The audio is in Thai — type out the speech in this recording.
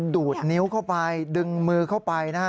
ดูดนิ้วเข้าไปดึงมือเข้าไปนะฮะ